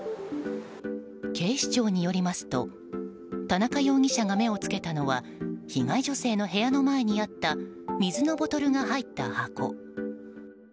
警視庁によりますと田中容疑者が目を付けたのは被害女性の部屋の前にあった水のボトルが入った箱。